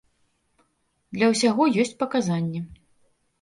Для ўсяго ёсць паказанні.